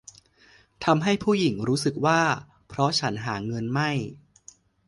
ทำให้ผู้หญิงรู้สึกว่า เพราะฉันหาเงินไม่